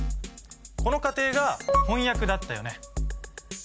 この過程が「翻訳」だったよね。